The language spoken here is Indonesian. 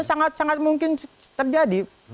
sangat sangat mungkin terjadi